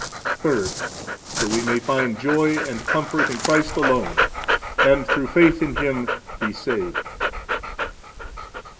Third, so we may find joy and comfort in Christ alone, and through faith in Him be saved.